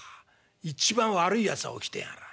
一番悪いやつが起きてやがら。